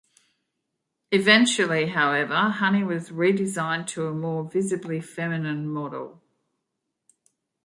Eventually, however, Honey was redesigned to a more visibly feminine model.